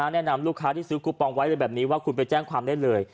แนะนำลูกค้าที่ซื้อคูปองไว้อะไรแบบนี้ว่าคุณไปแจ้งความได้เลย